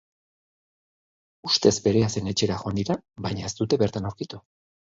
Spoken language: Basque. Ustez berea zen etxera joan dira baina ez dute bertan aurkitu.